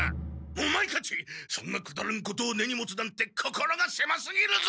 オマエたちそんなくだらんことを根に持つなんて心がせますぎるぞ！